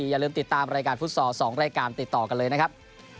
อย่าลืมติดตามรายการฟุตซอล๒รายการติดต่อกันเลยนะครับ